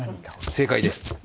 正解です。